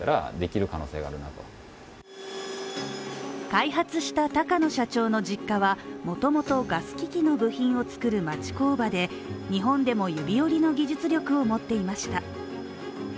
開発した高野社長の実家は元々ガス機器の部品を作る町工場で、日本でも指折りの技術力を持っていました。